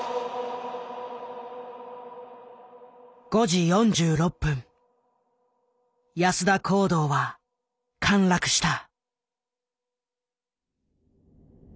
５時４６分安田講堂は陥落した。